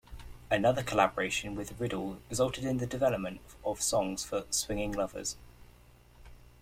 Another collaboration with Riddle resulted in the development of Songs for Swingin' Lovers!